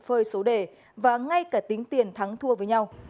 phơi số đề và ngay cả tính tiền thắng thua với nhau